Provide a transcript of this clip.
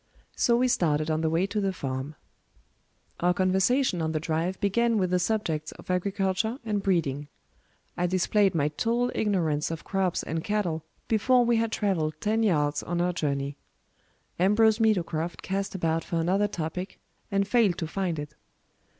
So we started on the way to the farm. Our conversation on the drive began with the subjects of agriculture and breeding. I displayed my total ignorance of crops and cattle before we had traveled ten yards on our journey. Ambrose Meadowcroft cast about for another topic, and failed to find it.